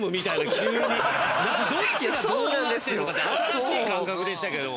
新しい感覚でしたけど。